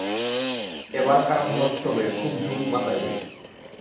এবারকার মহোৎসবে খুব ধুম মাতাইবে।